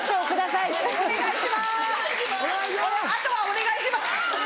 あとはお願いします」。